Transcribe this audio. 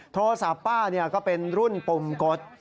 โทรศัพท์ป้าก็เป็นรุ่นปุ่มกด